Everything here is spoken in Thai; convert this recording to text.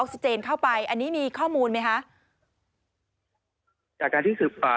ออกเศรษฐ์เข้าไปอันนี้มีข้อมูลไหมฮะ